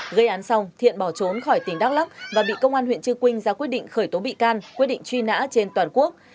gây án xong thiện bỏ trốn khỏi tỉnh đắk lắc và bị công an huyện trư quynh ra quyết định khởi tố bị can quyết định truy nã trên toàn quốc